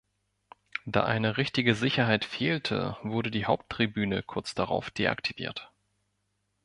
Da eine richtige Sicherheit fehlte, wurde die Haupttribüne kurz darauf deaktiviert.